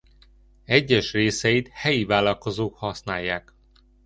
Egyes részeit helyi vállalkozók használják.